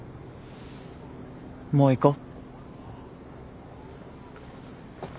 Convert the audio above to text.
もう行こう。